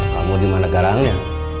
kamu dimana garangnya